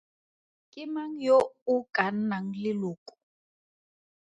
Ke mang yo o ka nnang leloko?